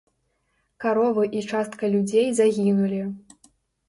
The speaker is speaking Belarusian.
Каровы і частка людзей загінулі.